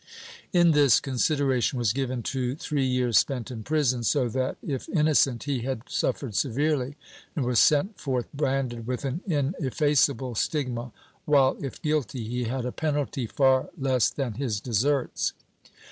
In this, consideration was given to three years spent in prison, so that, if innocent, he had suffered severely and was sent forth branded with an ineffaceable stigma while, if guilty, he had a penalty far less than his deserts.